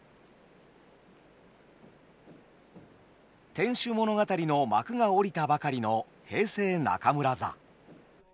「天守物語」の幕が下りたばかりの平成中村座。